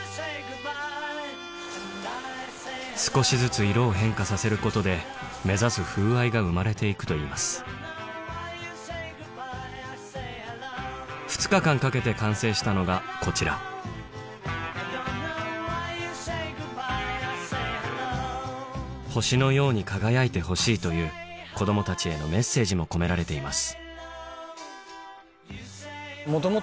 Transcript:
少しずつ色を変化させることで目指す風合いが生まれて行くといいます２日間かけて完成したのがこちら星のように輝いてほしいという子供たちへのメッセージも込められています